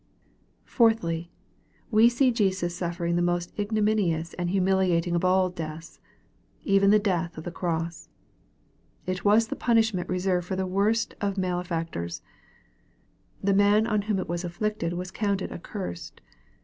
Fourthly, we see Jesus suffering the most ignominious and humiliating of all deaths, even the death of the cross. It was the punishment reserved for the worst of male factors. The man on whom it was inflicted was countel accursed.